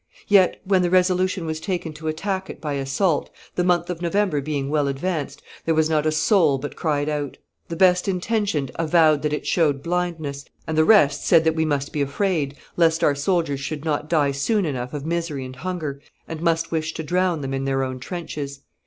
Yet, when the resolution was taken to attack it by assault, the month of November being well advanced, there was not a soul but cried out. The best intentioned avowed that it showed blindness, and the rest said that we must be afraid lest our soldiers should not die soon enough of misery and hunger, and must wish to drown them in their own trenches.